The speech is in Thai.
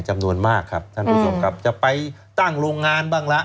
จำนวนมากครับท่านผู้ชมครับจะไปตั้งโรงงานบ้างละ